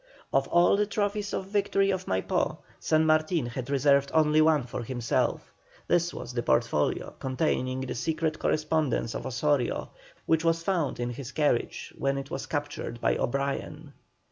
Of all the trophies of the victory of Maipó, San Martin had reserved only one for himself; this was the portfolio containing the secret correspondence of Osorio, which was found in his carriage when it was captured by O'Brien.